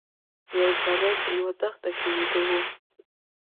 یو زمری په یوه دښته کې ویده و.